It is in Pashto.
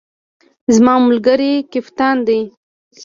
زما ملګری کپتان دی